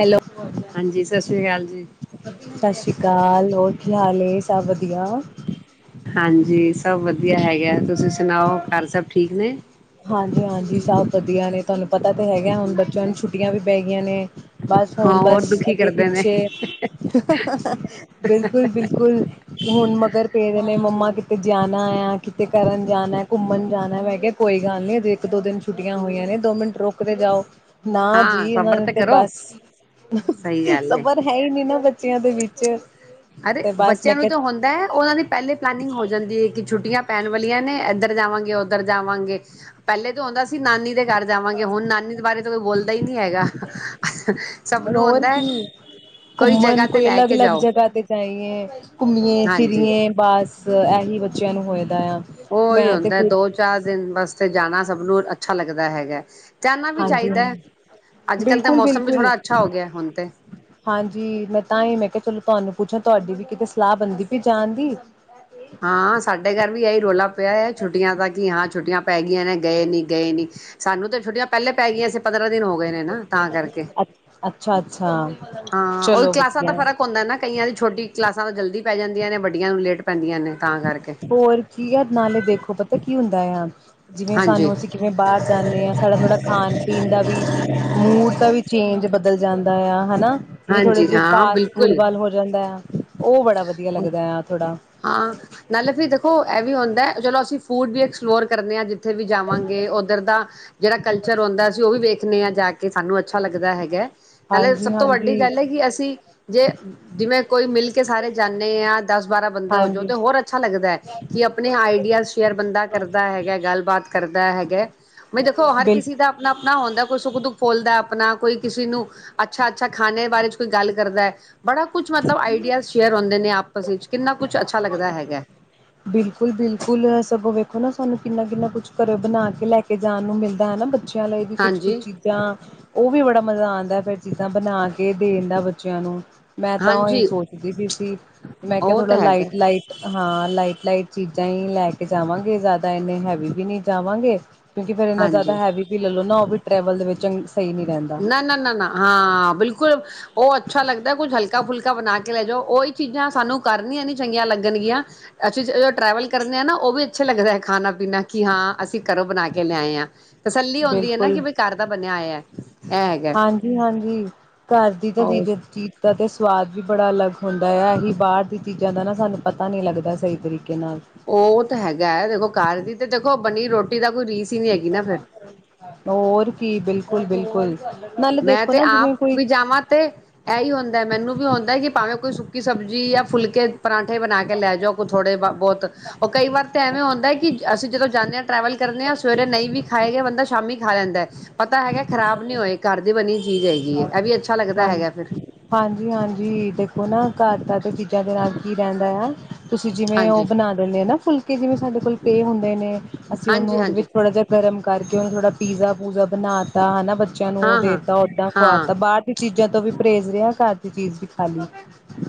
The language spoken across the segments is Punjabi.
ਹੈਲੋ ਹਾਂਜੀ ਸਤਿ ਸ੍ਰੀ ਅਕਾਲ ਜੀ ਸਤਿ ਸ੍ਰੀ ਅਕਾਲ ਹੋ ਕੀ ਹਾਲ ਸਭ ਵਧੀਆ ਹਾਂਜੀ ਸਭ ਵਧੀਆ ਹੈਗਾ ਤੁਸੀਂ ਸੁਣਾਓ ਘਰ ਸਭ ਠੀਕ ਨੇ ਹਾਂਜੀ-ਹਾਂਜੀ ਸਭ ਵਧੀਆ ਨੇ ਤੁਹਾਨੂੰ ਪਤਾ ਤਾਂ ਹੈਗਾ ਹੁਣ ਬੱਚਿਆਂ ਨੂੰ ਛੁੱਟੀਆਂ ਵੀ ਪੈ ਗਈਆਂ ਨੇ ਬਸ ਹਾਂ ਹੁਣ ਹੋਰ ਬਸ ਦੁਖੀ ਅੱਗੇ ਕਰਦੇ ਨੇ ਪਿੱਛੇ ਬਿਲਕੁਲ ਬਿਲਕੁਲ ਹੁਣ ਮਗਰ ਪੇਰ ਮੰਮਾ ਕਿਤੇ ਜਾਨ ਣਾ ਕਿਤੇ ਕਰਨ ਜਾਣਾ ਘੁੰਮਣ ਜਾਣਾ ਮੈਂ ਕਿਹਾ ਕੋਈ ਗੱਲ ਨੀ ਇੱਕ ਦੋ ਦਿਨ ਛੁੱਟੀਆਂ ਹੋਈਆਂ ਨੇ ਦੋ ਮਿੰਟ ਰੁਕ ਤੇ ਜਾਓ ਨਾ ਹਾਂ ਜੀ ਉਹਨਾਂ ਸਬਰ ਨੇ ਤਾਂ ਤੇ ਕਰੋ ਬਸ ਸਹੀ ਗੱਲ ਏ ਸਬਰ ਹੈ ਹੀ ਨੀ ਨਾ ਬੱਚਿਆਂ ਦੇ ਵਿੱਚ ਅਰੇ ਤੇ ਬਸ ਮੈਂ ਬੱਚਿਆਂ ਨੂੰ ਤਾਂ ਕਿਹਾ ਹੁੰਦਾ ਹੈ ਉਹਨਾਂ ਦੀ ਪਹਿਲੇ ਪਲੈਨਿੰਗ ਹੋ ਜਾਂਦੀ ਹੈ ਕਿ ਛੁੱਟੀਆਂ ਪੈਣ ਵਾਲੀਆਂ ਨੇ ਇੱਧਰ ਜਾਵਾਂਗੇ ਉੱਧਰ ਜਾਵਾਂਗੇ ਪਹਿਲੇ ਤੋਂ ਆਉਂਦਾ ਸੀ ਨਾਨੀ ਦੇ ਕਰ ਜਾਵਾਂਗੇ ਹੁਣ ਨਾਨੀ ਦੇ ਬਾਰੇ ਕੋਈ ਬੋਲਦਾ ਹੀ ਨਹੀਂ ਹੈਗਾ ਸਭ ਨੂੰ ਹੋਰ ਆਉਂਦਾ ਹੈ ਕੀ ਕੋਈ ਜਗ੍ਹਾ ਘੁੰਮਣ ਤੇ ਕੋਈ ਲੈ ਅਲੱਗ ਕੇ ਅਲੱਗ ਜਾਓ ਜਗ੍ਹਾ ਤੇਤੇ ਜਾਈਏ ਘੁੰਮਏ ਹਾਂਜੀ ਫਿਰੀਏ ਬਸ ਕੀ ਬੱਚਿਆਂ ਨੂੰ ਹੋਇਆ ਉਹੀ ਹੁੰਦਾ ਦੋ ਚਾਰ ਦਿਨ ਵਾਸਤੇ ਜਾਣਾ ਸਭ ਨੂੰ ਅੱਛਾ ਲੱਗਦਾ ਹੈਗਾ ਜਾਣਾ ਵੀ ਹਾਂਜੀ ਚਾਹੀਦਾ ਹੈ ਹ ਅੱਜ ਕੱਲ੍ਹ ਤਾਂ ਬਿਲਕੁਲ ਮੌਸਮ ਵੀ ਬਿਲਕੁਲ ਥੋੜ੍ਹਾ ਅੱਛਾ ਹੋ ਗਿਆ ਹੁਣ ਤੇ ਹਾਂਜੀ ਮੈਂ ਤਾਂ ਹੀ ਮੈਂ ਕਿਹਾ ਚਲੋ ਤੁਹਾਨੂੰ ਪੁੱਛਾਂ ਤੁਹਾਡੀ ਵੀ ਕਿਤੇ ਸਲਾਹ ਬਣਦੀ ਪਈ ਜਾਣ ਦੀ ਹਾਂ ਸਾਡੇ ਘਰ ਵੀ ਇਹੀ ਰੌਲਾ ਪਿਆ ਛੁੱਟੀਆਂ ਦਾ ਕਿ ਹਾਂ ਛੁੱਟੀਆਂ ਪੈ ਗਈਆਂ ਨੇ ਗਏ ਨੀ ਗਏ ਨੀ ਸਾਨੂੰ ਤਾਂ ਛੁੱਟੀਆਂ ਪਹਿਲੇ ਪੈ ਗਈਆਂ ਸੀ ਪੰਦਰਾਂ ਦਿਨ ਹੋ ਗਏ ਨੇ ਨਾ ਤਾਂ ਕਰਕੇ ਅੱਛਾ-ਅੱਛਾ ਹਾਂ ਉਹ ਚਲੋ ਕਲਾਸਾਂ ਦਾ ਵਧੀਆ ਫ਼ਰਕ ਹੁੰਦਾ ਨਾ ਕਈਆਂ ਦੀ ਛੋਟੀ ਕਲਾਸਾਂ ਦਾ ਜਲਦੀ ਪੈ ਜਾਂਦੀਆਂ ਨੇ ਵੱਡੀਆਂ ਨੂੰ ਲੇਟ ਪੈਂਦੀਆਂ ਨੇ ਤਾਂ ਕਰਕੇ ਹੋਰ ਕੀ ਯ ਨਾਲੇ ਦੇਖੋ ਪਤਾ ਕੀ ਹੁੰਦਾ ਆ ਜਿਵੇਂ ਹਾਂਜੀ ਸਾਨੂੰ ਅਸੀਂ ਕਿਵੇਂ ਬਾਹਰ ਜਾਂਦੇ ਹਾਂ ਸਾਡਾ ਥੋੜ੍ਹਾ ਖਾਣ ਪੀਣ ਦਾ ਵੀ ਮੂਡ ਦਾ ਵੀ ਚੇਂਜ ਬਦਲ ਜਾਂਦਾ ਆ ਹਨਾ ਜਿਵੇਂ ਥੋੜੇ ਹਾਂਜੀ ਜਿਹੇ ਹਾਂ ਫਾਸਟ ਫੂਡ ਬਿਲਕੁਲ ਵੱਲ ਹੋ ਜਾਂਦਾ ਆ ਉਹ ਬੜਾ ਵਧੀਆ ਲੱਗਦਾ ਆ ਥੋੜ੍ਹਾ ਹਾਂ ਨਾਲੇ ਵੀ ਦੇਖੋ ਇਹ ਵੀ ਹੁੰਦਾ ਚਲੋ ਅਸੀਂ ਫੂਡ ਵੀ ਐਕਸਪਲੋਰ ਕਰੇ ਆ ਜ ਉੱਥੇ ਵੀ ਜਾਵਾਂਗੇ ਉੱਧਰ ਦਾ ਜਿਹੜਾ ਕਲਚਰ ਹੁੰਦਾਸੀਂ ਉਹ ਵੀ ਵੇਖਦੇ ਹਾਂ ਜਾ ਕੇ ਕਿ ਸਾਨੂੰ ਅੱਛਾ ਲੱਗਦਾ ਹੈਗਾ ਹਾਂਜੀ ਨਾਲਬ ਵੱਡੀ ਹਾਂਜੀ ਗੱਲ ਹੈ ਕਿ ਅਸੀਂ ਜੇ ਜਿਵੇਂ ਕੋਈ ਮਿਲ ਕੇ ਸਾਰੇ ਜਾਂਦੇ ਹਾਂ ਦਸ ਬਾਰਾਂ ਬੰਦੇ ਹੋ ਜਾਓ ਹਾਂਜੀ ਤੇ ਹੋਰ ਅੱਛਾ ਲੱਗਦਾ ਹੈ ਕਿ ਆਪਣੇ ਆਈਡੀਆ ਸ਼ੇਅਰ ਬੰਦਾ ਕਰਦਾ ਹੈਗਾ ਗੱਲਬਾਤ ਕਰ ਕਰਦਾ ਹੈਗਾ ਵੀ ਦੇਖੋ ਹਰ ਬਿਲਕੁਲ ਕਿਸੇ ਦਾ ਆਪਣਾ ਆਪਣਾ ਹੁੰਦਾ ਕੋਈ ਸੁੱਖ ਦੁੱਖ ਫੋਲਦਾ ਆਪਣਾ ਕੋਈ ਕਿਸੇ ਨੂੰ ਅੱਛਾ ਅੱਛਾ ਖਾਣੇ ਦੇ ਬਾਰੇ ਚ ਕੋਈ ਗੱਲ ਕਰਦਾ ਹੈ ਬੜਾ ਕੁਛ ਮਤਲਬ ਆਈਡੀਆਜ਼ ਸ਼ੇਅਰ ਹੁੰਦੇ ਨੇ ਆਪਸ ਵਿੱਚ ਕਿੰਨਾ ਕੁਛ ਅੱਛਾ ਲੱਗਦਾ ਹੈਗਾ ਤੁਹਾਨੂੰ ਕਿੰਨਾ ਕਿੰਨਾ ਕੁਛ ਕਰੋ ਬਣਾ ਕੇ ਲੈ ਕੇ ਜਾਣ ਨੂੰ ਮਿਲਦਾ ਹਨਾ ਬੱਚਿਆਂ ਲਈ ਵੀ ਕੁੱਛ ਕੁੱਛ ਹਾਂਜੀ ਚੀਜ਼ਾਂ ਉਹ ਵੀ ਬੜਾ ਮਜ਼ਾ ਆਉਂਦਾ ਫਿਰ ਚੀਜ਼ਾਂ ਬਣਾ ਕੇ ਦੇਣ ਦਾ ਬੱਚਿਆਂ ਨੂੰ ਮੈਂ ਤਾਂ ਉਹੀ ਹਾਂਜੀ ਸੋਚਦੀ ਵੀਈ ਸੀ ਮੈਂ ਕਿਹਾ ਉਹ ਥੋੜ੍ਹਾ ਤਾਂ ਹੈਗਾ ਲਾਈਟ ਲਾਈਟ ਹਾਂ ਲਾਈਟ ਲਾਈਟ ਚੀਜ਼ਾਂ ਹੀ ਲੈ ਕੇ ਜਾਵਾਂਗੇ ਜ਼ਿਆਦਾ ਇੰਨੇ ਹੈਵੀ ਵੀ ਨਹੀਂੀ ਜਾਵਾਂਗੇ ਕਿਉਂਕਿ ਫਿਰ ਇੰਨਾ ਜ਼ਿਆਦਾ ਹਾਂਜੀ ਹੈਵੀ ਵੀ ਲੈ ਲੋ ਨਾ ਉਹ ਵੀ ਟਰੈਵਲ ਦੇ ਵਿੱਚ ਸਹੀ ਨਹੀਂ ਰਹਿੰਦਾ ਨਾ ਨਾ ਨਾ ਨਾ ਹਾਂ ਬਿਲਕੁਲ ਉਹ ਅੱਛਾ ਲੱਗਦਾ ਕੁੱਝ ਹਲਕਾ ਫੁਲਕਾ ਬਣਾ ਕੇ ਲੈ ਜਾਓ ਉਹੀ ਚੀਜ਼ਾਂ ਸਾਨੂੰ ਕਰਨੀਆਂ ਨਹੀਂ ਚੰਗੀਆਂ ਲੱਗਣਗੀਆਂ ਅਸੀਂ ਟਰੈਵਲ ਕਰਨੇ ਹ ਨਾ ਉਹ ਵੀ ਅੱਛੇ ਲੱਗਦਾ ਹੈ ਖਾਣਾ ਪੀਣਾ ਕਿ ਹਾਂ ਅਸੀ ਸੀਂ ਕਰੋ ਬਣਾ ਕੇ ਲਿਆਏ ਹਾਂ ਤਸੱਲੀ ਆਉਂਦੀ ਹੈ ਨਾ ਕਿ ਬਈ ਘਰ ਦਾ ਬਣਿਆ ਹੋਇਆ ਇਹ ਹੈਗਾ ਹਾਂਜੀ ਹਾਂਜੀ ਘਰ ਦੀ ਤਾਂ ਹੋਰ ਦੀੀਜ ਚੀਜ਼ ਦਾ ਅਤੇ ਸਵਾਦ ਵੀ ਬੜਾ ਅਲੱਗ ਹੁੰਦਾ ਆ ਇਹੀ ਬਾਹਰ ਦੀ ਚੀਜ਼ਾਂ ਦਾ ਨਾ ਸਾਨੂੰ ਪਤਾ ਨਹੀਂ ਲੱਗਦਾ ਸਹੀ ਤਰੀਕੇ ਨਾਲ ਉਹ ਤਾਂ ਹੈਗਾ ਹੈ ਦੇਖੋ ਘਰ ਦੀ ਤੇ ਬਣੀ ਰੋਟੀ ਦਾ ਕੋਈ ਰੀਸ ਹੀ ਨਹੀਂ ਹੈਗੀ ਨਾ ਫਿਰ ਹੋਰ ਕੀ ਬਿਲਕੁਲ ਬਿਲਕੁਲ ਕੁੱਲ ਮੈਂ ਤੇ ਆਪ ਵੀ ਜਾਵਾਂ ਤੇ ਇਹੀ ਹੁੰਦਾ ਮੈਨੂੰ ਵੀ ਹੁੰਦਾ ਕਿ ਭਾਵੇਂ ਕੋਈ ਸੁੱਕੀ ਸਬਜ਼ੀ ਜਾਂ ਫੁਲਕੇ ਪਰਾਂਠੇ ਬਣਾ ਕੇ ਲੈ ਜਾਓ ਕੁ ਥੋੜ੍ਹੇ ਵ ਬਹੁਤ ਉਹ ਕਈ ਵਾਰ ਤਾਂ ਐਵੇਂ ਹੁੰਦਾ ਹੈ ਕਿ ਅਸੀਂ ਜਦੋਂ ਜਾਂਦੇ ਹ ਟਰੈਵਲ ਕਰਦੇ ਹਾਂ ਸਵੇਰੇ ਨਹੀਂ ਵੀ ਖਾਏਗਾ ਬੰਦਾ ਸ਼ਾਮੀ ਖਾ ਲੈਂਦਾ ਪਤਾ ਹੈਗਾ ਖਰਾਬ ਨੀ ਹੋਏ ਘਰ ਦੀ ਬਣੀ ਚੀਜ਼ ਹੈਗੀ ਹੈ ਇਹ ਵੀ ਅੱਛਾ ਲੱਗਦਾ ਹੈਗਾ ਫਿਰ ਹਾਂਜੀ- ਹਾਂਜੀ- ਹਾਂਜੀ, ਦੇਖੋ ਨਾ ਘਰ ਤਾਂ [unintelligible] ਚੀਜ਼ਾਂ ਦੇ ਨਾਲ ਕੀ ਰਹਿੰਦਾ ਆ [inaudible] ਤੁਸੀਂ ਜਿਵੇਂ ਉਹ ਹਾਂਜੀ ਬਣਾ ਦਿੰਦੇ ਹੋ ਨਾ ਫੁਲ ਕਿ ਜਿਵੇਂ ਸਾਡੇ ਕੋਲ ਪੈ ਹੁੰਦੇ ਨੇ ਅਸੀਂ ਉਹਨੂੰ ਹਾਂਜੀ ਉਹਦੇ ਹਾਂਜੀ ਵਿੱਚ ਥੋੜਾ ਜਿਹਾ ਗਰਮ ਕਰ [unintelligible] ਥੋੜਾ ਪੀਜ਼ਾ ਪੂਜਾ ਬਨਾ ਤਾ ਹਨਾ ਬਚ [unintelligible] ਨੂੰ ਉਹ ਹਾਂ ਹਾਂ ਦੇਤਾ ਓਦਾਂ ਹਾਂ ਖਵਾਤਾ ਬਾਹਰ ਦੀ ਤੋਂ ਵੀ ਪਰਹੇਜ਼ ਰਿਹਾ ਕਰ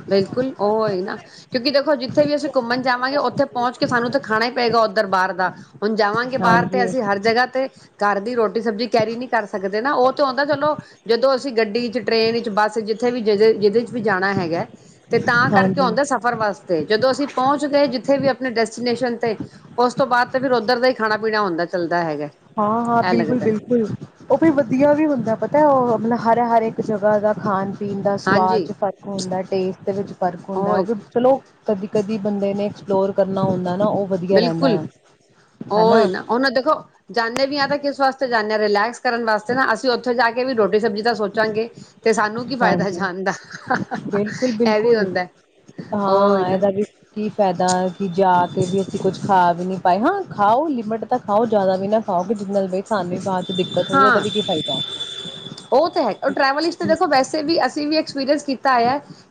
ਬਿਲਕੁੱਲ ਓਹ ਹੀ ਨਾ ਕਿਉਂਕਿ ਦੇਖੋ ਜਿੱਥੇ ਵੀ ਅਸੀਂ ਘੁੰਮਣ ਜਾਵਾਂਗੇ ਉੱਥੇ ਪਹੁੰਚ ਕੇ ਸਾਨੂੰ ਤਾਂ ਖਾਣਾ ਹੀ ਪਏਗਾ ਉੱਧਰ ਬਾਹਰ ਦਾ ਹੁਣ ਜਾਵਾਂਗੇ ਬਾਹਰ ਤੇ ਹਾਂਜੀ ਅਸੀਂ ਹਰ ਜਗ੍ਹਾ ਤੇ ਘਰ ਦੀ ਰੋ ਟੀ ਸਬਜ਼ੀ ਕੈਰੀ ਨੀ ਕਰ ਸਕਦੇ ਨਾ ਉਹ ਤਾਂ ਆਉਂਦਾ ਚਲੋ ਜਦੋਂ ਅਸੀਂ ਗੱਡੀ ਚ ਟ੍ਰੇਨ ਵਿਚ ਬੱਸ ਵਿਚ ਜਿੱਥੇ ਵੀ [unintelligible] [unintelligible] ਵੀ ਜਾਣਾ ਹੈਗਾ। ਤੇ ਤਾਂ ਕਰਕੇ ਹਾਂਜੀ ਆਉਂਦਾ ਸਫ਼ਰ ਵਾਸਤੇ ਜਦੋਂ ਅਸੀਂ ਪਹੁੰਚ ਗਏ ਜ [unintelligible] ਵੀ ਆਪਣੇ ਡੈਸਟੀਨੇਸ਼ਨ ਤੇ ਉਸ ਤੋਂ ਬਾਅਦ ਤੇ ਫੇਰ ਉੱਧਰ ਦਾ ਹੀ ਖਾਣਾ- ਪੀਣਾ ਹੁੰਦਾ ਚੱਲ ਹਾਂ-ਹਾਂ ਬਿਲਕੁੱਲ -ਬਿਲਕੁੱਲ ਉਹ ਵੀ ਵਧੀਆ ਵੀ ਹੁੰਦਾ ਪਤਾ ਉਹ ਮਤਲਬ ਹਰੇ ਹਰੇ ਜਗ੍ਹਾ ਦਾ ਖਾਣ ਪੀਣ ਦਾ ਸਵਾਦ ਹਾਂਜੀ ਚ ਫ਼ਰਕ ਹੁੰਦਾ ਟੇਸਟ ਵਿੱਚ ਫ਼ਰਕ ਹੁੰਦਾ ਹੋ ਉਹ ਵੀ ਚਲੋ ਕਦੀ -ਕਦੀ ਬੰਦੇ ਨੇ ਐਕਸਪਲੋਰ ਕਰਨਾ ਹੁੰਦਾ ਨਾ ਉਹ ਵਧੀਆ ਰਹਿੰਦਾ ਬਿਲਕੁਲ ਆ ਹਨਾ ਨੇ ਵੀ ਆ ਕਿਸ ਵਾਸਤੇ ਜਾਂਦੇ ਰਿਲੈਕਸ ਕਰਨ ਵਾਸਤੇ ਨਾ ਅਸੀਂ ਉੱਥੇ ਜਾ ਕੇ ਵੀ ਰੋਟੀ ਸਬਜ਼ੀ ਤਾਂ ਸੋਚਾਂਗੇ ਅਤੇ ਸਾਨੂੰ ਕੀ ਫਾਇ ਵੀ ਬਿਲਕੁੱਲ-ਬਿਲਕੁੱਲ ਹੁੰਦਾ ਉਹੀ ਹਾਂ ਨਾ ਇਹਦਾ ਵੀ ਕੀ ਫਾਇਦਾ ਕੀ ਜਾ ਕੇ ਵੀ ਅਸੀਂ ਕੁੱਝ ਖਾ ਵੀ ਨੀ ਪਾਏ ਹਾਂ ਖਾਓ ਲਿਮਿਟ ਤਾਂ ਖਾਓ ਜ਼ਿਆਦਾ ਵੀ ਨਾ ਖਾਓ [unintelligible] ਦਿੱਕਤ ਹੋਈ ਉਹਦਾ ਹਾਂ ਵੀ ਕੀ ਫਾਇਦਾ ਉਹ ਤਾਂ ਹੈ ਉਹ ਟਰੈਵਲ ਵਿੱਚ ਤਾਂ ਦੇਖੋ ਵੈਸੇ ਵੀ ਅਸੀਂ ਵੀ ਐਕਸਪੀਰੀਅੰਸ ਕੀ [unintelligible]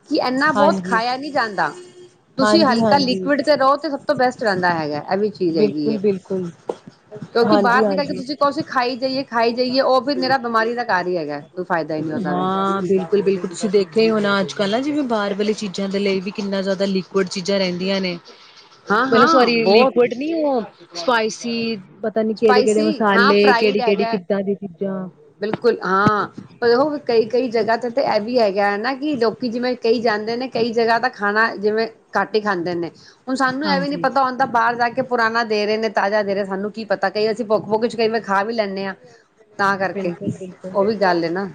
ਕਿ ਇੰਨਾ ਬਹੁਤ ਹਾਂਜੀ ਖਾਇਆ ਨੀ ਜਾਂਦਾ। ਤੁਸੀਂ ਹਾਂਜੀ ਹਲਕਾ ਹਾਂਜੀ ਲਿਕੁਡ ਤੇ ਰਹੋ ਤੇ ਸਭ ਤੋਂ ਬੈਸਟ ਰਹਿੰਦਾ ਹੈਗਾ ਇਹ ਵਿੱਚ [unintelligible] ਹੈ ਬਿਲਕੁਲ-ਬਿਲਕੁਲ, ਕਿਉਂਕਿ ਬਾਹਰ ਨਿਕਲ ਕੇ ਹਾਂਜੀ-ਹਾਂਜੀ। ਤੁਸੀਂ ਕਹੋ ਕਿ ਅਸੀ ਖਾਈ ਜਾਈਏ ਖਾਈ ਜਾਈਏ ਉਹ ਫਿਰ ਨਿਰਾ ਬਿਮਾਰੀ ਦਾ ਘਰ ਹੀ ਹੈਗਾ ਕੋਈ ਫਾਇਦਾ ਹੀ ਨਹੀਂ ਉਹਦਾ ਵੀ ਹਾਂ ਬਿਲਕੁੱਲ- ਬਿਲਕੁੱਲ ਤੁਸੀਂ ਦੇਖੇ ਹੀ ਹੋਣਾ ਅੱਜ ਪਹਿਲਾ ਜਿਵੇਂ ਬਾਹਰ ਵਾਲੀ ਚੀ ਚੀਾਂ ਦੇ ਲਈ ਵੀ ਕਿੰਨਾ ਜ਼ਿਆਦਾ ਲੀਕ ਕੁੜ ਚੀਜ਼ਾਂ ਰਹਿੰਦੀਆਂ ਨੇ ਹਾਂ ਮਤਲਬ ਹਾਂ ਸੋਰੀ ਬਹੁਤ ਲਿਕੁਡ ਨੀ ਉਹ ਸਪਾਈਸ ਤੁਸੀਂ ਪਤਾ ਨੀ ਕਿਹੜੇ ਕਿਹੜੇ ਸਪਾਈਸੀ ਹਾਂ ਮਸਾਲੇ ਫਰਾਈਡ ਕਿਹੜੀ ਕਿਹੜੀ ਹੈਗਾ। ਕੀਤਾ ਜ ਸੀ ਜਾਂ ਬਿਲਕੁਲ ਹਾਂ ਉਹ ਕਈ ਕਈ ਜਗ੍ਹਾ ਤੇ ਇਹ ਵੀ ਹੈਗਾ ਹੈ ਨਾ ਕਿ ਲੋਕੀ ਜਿਵੇਂ ਕਈ ਜਾਂਦੇ ਨੇ ਕਈ ਜਗ੍ਹਾ ਦਾ ਖਾਣਾ ਜਿਵੇਂ ਘੱਟ ਹੀ ਖਾਂਦੇ ਨੇ ਹੁਣ ਸਾਨੂੰ ਇਹ ਵੀ ਨੀ ਹਾਂਜੀ। ਪਤਾ ਹੁੰਦਾ ਬਾਹਰ ਜਾ ਕੇ ਪੁਰਾਣਾ ਦੇ ਰਹੇ ਨੇ ਤਾਜ਼ਾ ਦੇ ਰਹੇ ਸਾਨੂੰ ਕੀ ਪਤਾ ਕਈ ਅਸੀਂ ਭੁੱਖ ਭੁਕ ਕਈਵੇਂ ਖਾ ਵੀ ਲੈਂਦੇ ਹਾਂ ਤਾਂ ਕਰਕੇ ਬਿਲਕੁਲ-ਬਿਲਕੁਲ, ਉਹ ਵੀ ਗੱਲ ਨਾ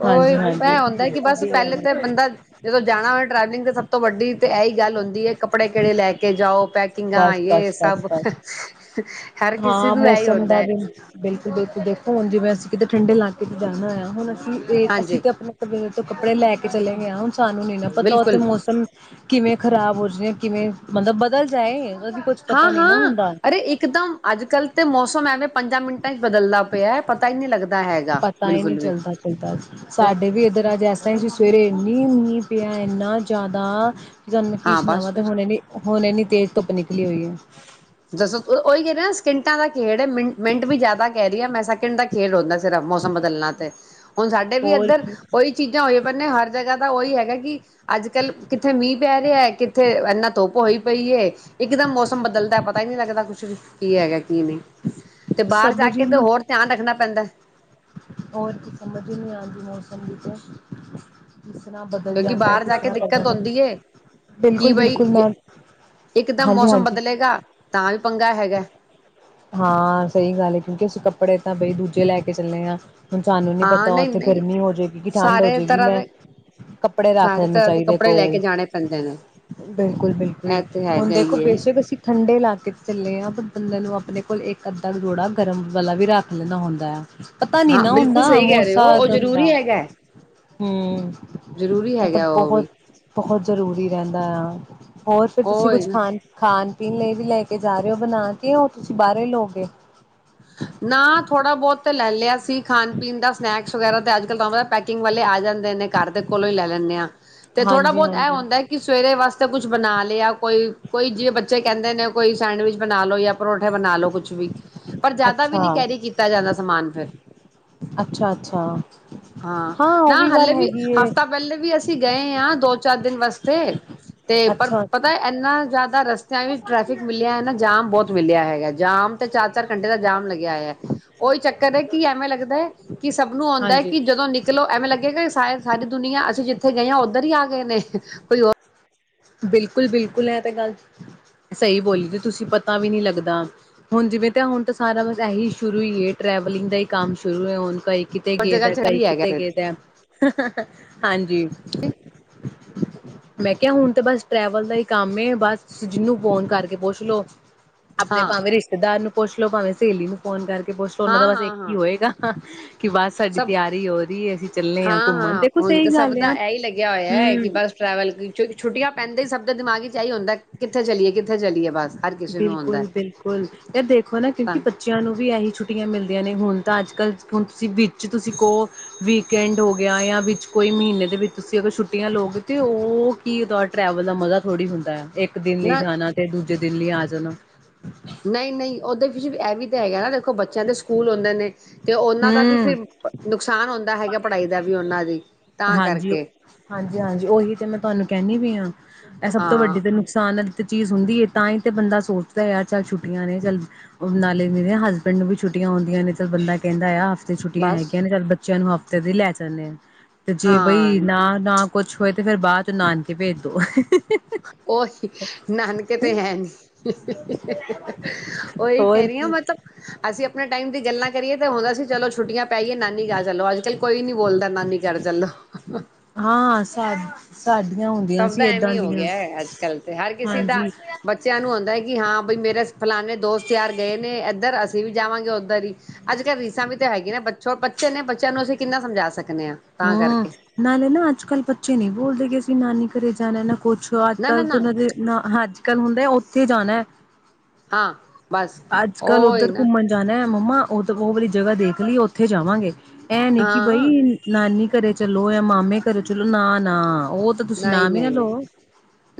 ਉਹਹੀ ਭੈ ਹਾਂਜੀ-ਹਾਂਜੀ ਆਉਂਦਾ ਕਿ ਬਸ ਪਹਿਲੇ ਤਾਂ ਬੰਦਾ ਜਦੋਂ ਜਾਣਾ ਹੋਵੇ ਟ੍ਰੈਵਲਿੰਗ ਤੇ ਸ ਤੋਂ ਵੱਡੀ ਤੇ ਇਹੀ ਗੱਲ ਹੁੰਦੀ ਹੈ ਕੱਪੜੇ ਕਿਹੜੇ ਲੈ ਕੇ ਜਾਓ ਪੈਕਿੰਗਾਂਏ ਸਭ ਬਸ-ਬਸ-ਬਸ-ਬਸ ਹਰ ਕਿਸੇ ਹਾਂ ਨੂੰ ਇਹੀ ਮੌਸਮ ਹੁੰਦਾ ਦਾ ਹੈ ਵੀ ਬਿਲਕੁਲ ਬਿਲਕੁਲ ਦੇਖੋ ਹੁਣ ਜਿਵੇਂ ਅਸੀਂ ਕਿਤੇ ਠੰਡੇ ਇਲਾਕੇ ਚ ਜਾਣਾ ਹੋਇਆ ਹੁਣ ਇਹ ਅਸੀਂ ਹਾਂਜੀ ਤੇ ਆਪਣੇ ਕਬਲੇ ਤੋਂ ਕੱਪੜੇ ਲੈ ਕੇ ਚਲੇ ਗਏ ਆ ਸਾਨੂੰ ਨੀ ਨਾ ਪਤਾ ਉੱਥੇ ਬਿਲਕੁਲ ਮੌਸਮ ਕਿਵੇਂ ਖਰਾਬ ਹੋ ਜਾਵੇ ਕਿਵੇਂ ਮਤਲਬ ਬਦਲ ਜਾਏ ਉਹਦੀ ਕੁੱਝ ਹਾਂ ਪਤਾ ਨੀ ਨਾ ਹਾਂ ਹੁੰਦਾ ਅਰੇ ਇੱਕਦਮ ਅੱਜ ਕੱਲ੍ਹ ਤੇ ਮੌਸਮ ਐਵੇਂ ਪੰਦਰਾਂ ਮਿੰਟ ਹੈਗਾ ਪਤਾ ਹੀ ਨਹੀਂੀ ਬਿਲਕੁਲ ਵੀ ਚਲਦਾ ਚੱਲਦਾ ਫਿਰ ਸਾਡੇ ਵੀ ਇੱਧਰ ਅੱਜ ਐਸਾ ਹੀ ਸੀ ਸਵੇਰੇ ਮਨੀ ਮੀ ਪਿਆ ਇੰਨਾ ਜ਼ਿਆਦਾ ਤੁਹਾਨੂੰ ਮੈਂ ਕੀ ਹਾਂ ਸੁਣਾਵਾਾਂ ਹੁਣਣੇ ਨੀ ਹੁਣੇ ਨੀ ਤੇ ਪਣੀ ਜੱਸ ਉਹੀ ਗਦੇ ਤਿੰਟਾਂ ਦਾ ਖੇਡ ਮਿੰ ਮਿੰਟ ਵੀ ਜ਼ਿਆਦਾ ਕਹਿ ਰਹੀ ਆ ਮੈਂ ਸੈਕਿੰਡ ਦਾ ਖੇਲ ਹੁੰਦਾ ਸਿਰਫ ਮੌਸਮ ਬਦਲਣਾ ਤੇ ਹੁਣ ਸਾਡੇ ਵੀ ਹੋਰ ਇੱਧਰ ਕੀ ਉਹੀ ਚੀਜ਼ਾਂ ਹੋਈ ਪਆਂ ਹਰ ਜਗ੍ਹਾ ਤਾਂ ਉਹੀ ਹੈਗਾ ਕਿ ਅੱਜ ਕੱਲ੍ਹ, ਕਿੱਥੇ ਮੀਂਹ ਪੈ ਰਿਹਾ ਕਿੱਥੇ ਇੰਨਾ ਧੁੱਪ ਹੋਈ ਪਈ ਹੈ। ਇਕਦਮ ਮੌਸਮ ਬਦਲਦਾ ਪਤਾ ਹੀ ਨਹੀਂ ਲੱਗਦਾ ਕੁਛ ਵੀ ਕੀ ਹੈਗਾ ਕੀ ਨਹੀਂ। ਤੇ ਬਾਹਰ ਜਾ ਸਮਝ ਹੀ ਕੇ ਤੇ ਨਹੀਂ ਹੋਰ ਧਿਆਨ ਰੱਖਣਾ ਪੈਂਦਾ। ਹੋਰ ਕੀ ਸਮਝ ਨਹੀਂ ਆਉਂਦੀ ਮੌਸਮ ਵਿੱਚ ਕਿਉਂਕਿ ਬਾਹਰ ਜਾ ਕੇ ਦਿੱਕਤ ਆਉਂਦੀ ਹੈ। ਕਿ ਬਿਲਕੁਲ ਬਈ ਬਿਲਕੁਲ ਜੇ ਮੈਂ ਇੱਕਦਮ ਹਾਂਜੀ ਮੌਸਮ ਹਾਂਜੀ ਬਦਲੇਗਾ ਤਾਂ ਵੀ ਪੰਗਾ ਹੈਗਾ। ਹਾਂ, ਸਹੀ ਗੱਲ ਹੈ ਕਿਉਂਕਿ ਅਸੀਂ ਕੱਪੜੇ ਤਾਂ ਬਈ ਦੂਜੇ ਲੈ ਕੇ ਚੱਲੇ ਹਾਂ। ਹੁਣ ਸਾਨੂੰ ਨੀ ਹਾਂ ਪਤਾ ਨਹੀਂ ਉੱਥੇ ਨਹੀਂ ਗਰਮੀ ਹੋ ਜਾਏਗੀ ਕਿ ਠੰਡ ਹੋ ਸਾਰੇ ਜਾਏਗੀ ਤਰ੍ਹਾਂ ਮੈਂ ਦੇ ਕੱਪੜੇ ਰਖ ਸਾਰੇ ਲੈਣੇ ਤਰ੍ਹਾਂ ਦੇ ਚਾਹੀਦੇ ਕੱਪੜੇ ਲੈ ਕੋਲ ਕੇ ਜਾਣੇ ਪੈਂਦੇ ਨੇ ਬਿਲਕੁਲ- ਬਿਲਕੁਲ ਇਹ ਤੇ ਹੁਣ ਹੈਗਾ ਦੇਖੋ ਹੀ ਹੈ ਬੇਸ਼ੱਕ ਅਸੀਂ ਠੰਡੇ ਇਲਾਕੇ ਚ ਚੱਲੇ ਹਾਂ ਪਰ ਬੰਦੇ ਨੂੰ [inaudible] ਕੋਲ ਇੱਕ -ਅੱਧਾ ਜੋੋੜਾ ਗਰਮ ਵਾਲਾ ਵੀ ਰੱਖ ਲੈਂਦਾ ਹੁੰਦਾ ਆ। ਪਤਾ ਨੀ ਹਾਂ ਨਾ ਬਿਲਕੁਲ ਹੁੰਦਾ ਸਹੀ ਕਹਿ ਰਹੇ ਹੋ ਮੋਸਾਮ ਉਹ ਦਾ ਜ਼ਰੂਰੀ ਹੈਗਾ ਹਮ ਜ਼ਰੂਰੀ ਇਹ ਤਾਂ ਹੈਗਾ ਉਹ ਵੀ ਬਹੁਤ- ਬਹੁਤ ਜ਼ਰੂਰੀ ਕਹਿੰਦਾ ਆ ਹੋਰ ਫਿਰ ਤੁਸੀਂ ਉਹ ਹੈ ਕੁਝ ਨਾ ਖਾਣ -ਖਾਣ ਪੀਣ ਲਈ ਵੀ ਲੈ ਕੇ ਜਾ ਰਹੇ ਹੋ ਬਣਾ ਕੇ ਉਹ ਤੁਸੀਂ ਬਾਹਰੋਂ ਹੀ ਲਯੋਗੇ। ਅਸੀਂ ਖਾਣ -ਪੀਣ ਦਾ ਸਨੈਕਸ ਵਗੈਰਾ ਤਾਂ ਅੱਜ ਕੱਲ ਤਾਂ ਤੂਹਾਨੂੰ ਪਤਾ ਪੈਕਿੰਗ ਵਾਲੇ ਆ ਜਾਂਦੇ ਨੇ ਘਰ ਦੇ ਕੋਲੋਂ ਹੀ ਲੈ ਲੈਂਦੇ ਹਾਂ। ਤੇ ਥੋੜਾ ਹਾਂਜੀ ਬਹੁਤ ਇਹ ਹਾਂਜੀ ਹੁੰਦਾ ਹੈ ਕਿ ਸਵੇਰੇ ਵਾਸਤੇ ਤੇ ਕੁਛ ਬਣਾ ਲਿਆ ਕੋਈ- ਕੋਈ ਜਿਵੇਂ ਬੱਚੇ ਕਹਿੰਦੇ ਨੇ ਕੋਈ ਸੈਂਡਵਿਚ ਬਣਾ ਲਓ ਜਾਂ ਪਰੌਠੇ ਬਣਾ ਲੋ ਕੁੱਛ ਵੀ। ਜ਼ਿਆਦਾ ਵੀ ਨੀ ਅੱਛਾ ਕੈਰੀ ਕੀਤਾ ਜਾਂਦਾ ਸਮਾਨ ਫਿਰ, ਅੱਛਾ ਅੱਛਾ ਹਾਂ। ਨਾ ਉਹ ਗੱਲ ਹਲੇੇ ਵੀ ਹੈਗੀ ਏ ਹਫ਼ਤਾ ਪਹਿਲੇ ਵੀ ਅਸੀ ਅਸੀਂ ਗਏ ਹਾਂ ਦੋ-ਚਾਰ ਦਿਨ ਵਾਸਤੇ। ਤੇ ਪਰ ਅੱਛਾ ਪਤਾ ਇੰਨਾ ਜ਼ਿਆਦਾ ਦਾ ਰਸਤਿਆਂ ਵੀ ਟ੍ਰੈਫਿਕ ਮਿਲਿਆ ਹੈ ਨਾ ਜਾਮ ਬਹੁਤ ਮਿਲਿਆ ਹੈਗਾ। ਜਾਮ ਤੇ ਚਾਰ-ਚਾਰ ਦਾ ਜਾਮ ਲੱਗਿਆ ਹੋਇਆ ਉਹੀ ਚੱਕਰ ਹੈ ਕਿ ਐਵੇਂ ਲੱਗਦਾ ਹੈ ਕਿ ਸਭ ਨੂੰ ਆਉਂਦਾ ਹੈ ਹਾਂਜੀ ਕਿ ਜਦੋਂ ਨਿਕਲੋ ਐਵੇਂ ਲਗੇਗਾ ਕਿ ਸਾਰੀ ਦੁਨੀਆਂ ਅਸੀਂ ਜਿੱਥੇ ਗ ਉੱਧਰ ਹੀ ਆ ਗਏ ਨੇ, ਕੋਈ ਬਿਲਕੁਲ-ਬਿਲਕੁਲ ਇਹ ਤਾਂ ਗੱਲ ਸਹੀ ਬੋਲੀ ਤੇ ਤੁਸੀਂ ਪਤਾ ਵੀ ਨਹੀਂ ਲੱਗਦਾ। ਹੁਣ ਜਿਵੇਂ ਤਾਂ ਹੁਣ ਤਾਂ ਸਾਰਾ ਬਸ ਇਹੀ ਸ਼ੁਰੂ ਹੀ ਹੈ ਟ੍ਰੈਵਲਿੰਗ ਦਾ ਹੀ ਕੰਮ ਸ਼ੁਰੂ ਹੈ ਹੁਣ ਕਿਤੇ ਜਗ੍ਹਾ ਗੇਦਾ ਚ ਕਈ ਵੀ ਹੈਗਾ ਕਿਤੇ ਫਿਰ ਗਏਦਾ ਹ-ਹ ਹਾਂਜੀ। ਮੈਂ ਕਿਹਾ ਹੁਣ ਤਾਂ ਬਸ ਟਰੈਵਲ ਦਾ ਹੀ ਕੰਮ ਬਸ। ਜਿਹਨੂੰ ਫੋਨ ਕਰਕੇ ਪੁੱਛ ਲੋੋ। ਆਪਣੇ ਹਾਂ ਭਾਵੇਂ ਰਿਸ਼ਤੇਦਾਰ ਨੂੰ ਪੁੱਛ ਲੋੋ ਭਾਵੇਂ ਸਹੇਲੀ ਨੂੰ ਫੋਨ ਕਰਕੇ ਪੁੱਛ ਉਹਨਾਂ ਹਾਂ ਦਾ ਬਸ ਹਾਂ ਇੱਕ ਹੀ ਹਾਂ ਹੋਏਗਾ। ਕਿ ਬਸ ਸਾਡੀ ਸਭ ਤਿਆਰੀ ਹੋ ਰਹੀ ਅਸੀਂ ਚੱਲੇ ਹਾਂ ਘੁੰਮਣ ਹਾਂ-ਹਾਂ ਦੇਖੋ ਹੁਣ ਸਹੀ ਤਾਂ ਸਭ ਗੱਲ ਦਾ ਆ ਇਹੀ ਲੱਗਿਆ ਹੋਇਆ ਹੈ ਕਿ ਹਮ। ਬਸ ਟਰੈਵਲ ਛੁੱਟੀਆਂ ਪੈਂਦੇ ਹੀ ਸਭ ਦਾ ਦਿਮਾਗ ਚ ਇਹੀ ਹੁੰਦਾ ਕਿੱਥੇ ਚਲੀਏ ਕਿੱਥੇ ਚਲੀਏ ਬਸ। ਹਰ ਕਿਸੇ ਨੂੰ ਆਉਂਦਾ ਬਿਲਕੁਲ ਹੈ ਬਿਲਕੁਲ ਯਾਰ ਦੇਖੋ ਨਾ ਕਿਉਂਕਿ ਤਾਂ ਬੱਚਿਆਂ ਨੂੰ ਵੀ ਇਹੀ ਛੁੱਟੀਆਂ ਮਿਲਦੀਆਂ ਨੇ ਹੁਣ ਤਾਂ ਅੱਜ ਕੱਲ੍ਹ ਹੁਣ ਤੁਸੀਂ ਵਿੱਚ ਤੁਸੀਂ ਕੋਹ ਵੀਕਐਂਡ ਹੋ ਗਿਆ ਜਾਂ ਵਿੱਚ ਕੋਈ ਮਹੀਨੇ ਦੇ ਵਿੱਚ ਤੁਸੀਂ ਅਗਰ ਛੁੱਟੀਆਂ ਲਓਗੇ ਤਾਂ ਉਹ ਕੀ ਉਹਦਾ ਟਰੈਵਲ ਦਾ ਮਜ਼ਾ ਥੋੜ੍ਹੀ ਹੁੰਦਾ ਹੈ ਇੱਕ ਇੱਕ ਦਿਨ ਲਈ ਨਾ ਜਾਣਾ ਤੇ ਦੂਜੇ ਦਿੱਲੀ ਆ ਜਾਣਾ ਨਹੀਂ ਨਹੀਂ ਓਦੇ ਵਿੱਚ ਐ ਵੀਂ ਤਾਂ ਹੈਗਾ ਨਾ ਦੇਖੋ ਬੱਚਿਆਂ ਦੇ ਸਕੂਲ ਆਉਂਦੇ ਨੇ ਤੇ ਉਹਨਾਂ ਦਾ ਵੀ ਹੂੰ, ਫਿਰ ਨੁਕਸਾਨ ਹੁੰਦਾ ਹੈਗਾ ਪੜ੍ਹਾਈ ਦਾ ਵੀ ਉਹਨਾਂ ਦੀ ਤਾਂ ਹਾਂਜੀ ਓ ਕਰਕੇ ਹਾਂਜੀ-ਹਾਂਜੀ ਉਹੀ ਤੇ ਮੈਂ ਤੁਹਾਨੂੰ ਕਹਿੰਦੀ ਵੀ ਹਾਂ ਇਹ ਸਭ ਤੋਂ ਵੱਡੀ ਹਾਂ ਤੇ ਨੁਕਸਾਨ ਹੈ ਚੀਜ਼ ਹੁੰਦੀ ਹੈ ਤਾਂ ਹੀ ਤੇ ਬੰਦਾ ਸੋਚਦਾ ਆ ਚੱਲ ਛੁੱਟੀਆਂ ਨੇ ਚੱਲ ਨਾਲੇ ਦੀ ਨੇ ਹ ਪਿੰਡ ਨੂੰ ਵੀ ਛੁੱਟੀਆਂ ਆਉਂਦੀਆਂ ਨੇ ਤਾਂ ਬੰਦਾ ਕਹਿੰਦਾ ਆ ਛੱਟੀਆਂ ਬਸ ਹੈਗੀਆਂ ਨੇ ਚੱਲ ਬੱਚਿਆਂ ਨੂੰ ਹਫ਼ਤੇ ਦੀ ਲੈ ਜਾਂਦੇ ਹਾਂ ਤੇ ਜੇ ਹਾਂ ਬਈ ਨਾ ਨਾ ਕੁਛ ਹੋਏ ਤੇ ਫੇਰ ਬਾਅਦ ਚੋਂ ਨਾਨਕੇ ਭੇਜ ਦੋ। ਉਹੀ ਨਾਨਕੇ ਤੇ ਹੈ ਨੀ ਉਹੀ ਕਹਿ ਹੋਰ ਰਹੀ ਹ ਕੀ। ਮੈਂਲ ਅਸੀਂ ਆਪਣੇ ਟਾਈਮ ਦੀ ਗੱਲਾਂ ਕਰੀਏ ਤਾਂ ਹੁੰਦਾ ਸੀ ਚਲੋ ਛੁੱਟੀਆਂ ਪੈਈਏ ਨਾਨੀ ਗਾ ਚਲੋ ਅਜ ਕੱਲ ਕੋਈ ਨੀ ਬੋਲਦਾ ਨਾਨੀ ਕਰ ਚੱਲੋ ਸਤ ਸਭ ਦਾ ਐਵੇਂ ਹੋ ਗਿਆ ਅੱਜ ਕੱਲ ਤੇ ਹਰ ਕਿਸੇ ਦਾ ਹਾਂਜੀ ਬੱਚਿਆਂ ਨੂੰ ਆਉਂਦਾ ਹੈ ਕਿ ਹਾਂ ਬਈ ਮੇਰੇ ਫਲਾਾਨਣੇ ਦੋਸਤ ਯਾਰ ਗਏ ਨੇ ਇੱਧਰ ਅਸੀਂ ਵੀ ਜਾਵਾਂਗੇ ਉੱਧਰ ਹੀ ਅੱਜ ਕੱਲ੍ਹ ਰੀਸਾਂ ਵੀ ਤਾਂ ਹੈਗੀੀਆਂ ਨਾ ਬਰ ਬੱਚੇ ਨੇ ਬੱਚਿਆਂ ਨੂੰ ਅਸੀਂ ਕਿੰਨਾ ਸਮਝਾ ਸਕੇ ਹਾਂ ਨਾਲੇ ਨਾ ਅੱਜ ਕੱਲ੍ਹ ਬੱਚੇ ਨਹੀਂ ਬੋਲਦੇ ਅਸੀਂ ਨਾਨੀ ਘਰੇ ਜਾਣਾ ਨਾ ਕੁੱਛ ਅੱਜ ਨਾ ਨਾ ਨਾ ਕੱਲ੍ਹ ਅੱਜ ਕੱਲ ਹੁੰਦਾ ਕਿੱਥੇ ਜਾਣਾ ਹੈ ਹਾਂ ਬਸ ਅੱਜ ਕੱਲ੍ਹ ਉਹੀ ਉੱਧਰ ਨਾ ਘੁੰਮਣ ਜਾਣਾ ਹੈ ਮੰਮਾ ਉਦ ਉਹ ਵਾਰੀ ਜਗ੍ਹਾ ਦੇਖ ਲਈ ਉੱਥੇ ਜਾਵਾਂਗੇ ਇਹ ਨੀ ਕਿ ਬਈ ਹਾਂ ਨਾਨੀ ਘਰੇ ਚ ਚਲੋ ਇਹ ਮਾਮੇ ਕਰੋ ਚਲੋ ਨਾ ਨਾ ਉਹ ਤਾਂ ਤੁਸੀਂ ਨਹੀਂ ਨਾਮ ਹੀ ਨਾ ਨਹੀਂ ਨਹੀਂ ਲਓ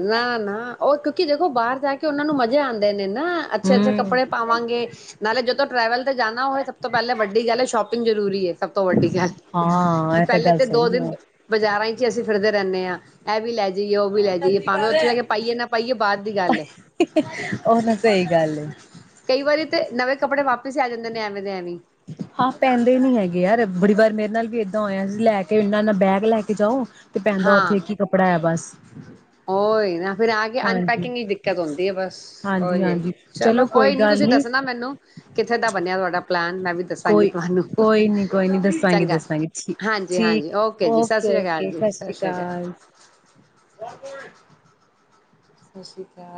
ਨਾ ਨਾ ਉਹ ਇੱਕ ਕਿ ਦੇਖੋ ਬਾਹਰ ਜਾ ਕੇ ਉਹਨਾ ਨੂੰ ਮਜ਼ੇ ਆਉਂਦੇ ਨੇ ਨਾ ਅੱਛੇ ਅੱਛੇ ਹੂੰ ਕੱਪੜੇ ਪਾਵਾਂਗੇ ਨਾਲੇ ਜਦੋਂ ਟਰੈਵਲ ਜਾਣਾ ਹੋਵੇ ਸਭ ਤੋਂ ਪਹਿਲਾਂ ਵੱਡੀ ਗੱਲ ਹੈ ਸ਼ੋਪਿੰਗ ਜਰੂਰੀ ਹੈ ਸਭ ਤੋਂ ਵੱਡੀ ਗੱਲ ਹਾਂ ਕਿ ਇਹ ਤਾਂ ਪਹਿਲੇ ਗੱਲ ਤੇ ਦੋ ਸਹੀ ਦਿਨ ਹੈ ਬਾਜ਼ਾਰਾਂ ਚ ਅਸੀਂ ਖਿੜਦੇ ਰਹਿੰਦੇ ਹਾਂ ਇਹ ਵੀ ਲੈ ਜਾਈਏ ਉਹ ਵੀ ਲੈ ਆ ਜਾਈਏ ਭਾਵੇਂ ਉੱਥੇ ਜਾ ਕਰ ਕੇ ਪਾਈਏ ਨਾ ਪਾਈਏ ਬਾਅਦ ਦੀ ਗੱਲ ਹੈ ਉਹ ਨਾ ਸਹੀ ਗੱਲ ਕਈ ਵਾਰੀ ਤੇ ਨਵੇਂ ਕੱਪੜੇ ਵਾਪਸ ਆ ਜਾਂਦੇ ਨੇ ਐਵੇਂ ਦੇ ਐਵੇਂ ਹਾਂ ਪੈਂਦੇ ਨੀ ਹੈਗੇ ਯਾਰ ਬੜੀ ਵਾਰ ਮੇਰੇ ਨਾਲ ਵੀ ਏਦਾਂ ਹੋਇਆ ਸੀ ਲੈ ਕੇ ਇਹਨਾਂ ਨਾਲ ਬੈਗ ਲੈ ਕੇ ਜਾਓ ਤੇ ਪੈਂਦਾ ਹਾਂ ਉੱਥੇ ਕੀ ਕੱਪੜਾ ਹੈ ਬਸ ਉਹੀ ਨਾ ਫਿਰ ਆ ਕੇ ਹਾਂਜੀ ਅਨਪੈਕਿੰਗ ਦਿੱਕਤ ਹੁੰਦੀ ਹੈ ਬਸ ਉਹੀ ਹੈ ਚਲੋ ਕੋਈ ਨੀ ਤੁਸੀਂ ਦੱਸਣਾ ਮੈਨੂੰ ਕਿੱਥੇ ਦਾ ਬਣਿਆ ਤੁਹਾਡਾ ਪਲੈਨ ਮੈਂ ਵੀ ਦੱਸਾਂਗੀ ਕੋਈ ਤੁਹਾਨੂੰ। ਕੋਈ ਨੀ ਕੋਈ ਨੀ ਦੱਸਾਂਗੇ ਚੰਗਾ ਦੱਸਾਂਗੇ ਹਾਂਜੀ ਹਾਂਜੀ ਠੀਕ ਜੀ ਸਤਿ ਸ੍ਰੀ ਓਕੇ ਅਕਾਲ ਓਕੇ ਜੀ ਸਤਿ ਸ਼੍ਰੀ ਸ੍ਰੀ ਅਕਾਲ ਸਤਿ ਸ਼੍ਰੀ ਅਕਾਲ